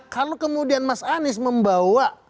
kalau kemudian mas anies membawa